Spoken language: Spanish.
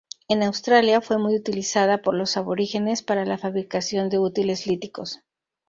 En Australia fue muy utilizada por los aborígenes para la fabricación de útiles líticos.